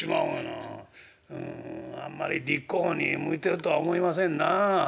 「うんあんまり立候補に向いてるとは思いませんなあ。